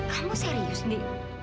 kamu serius indi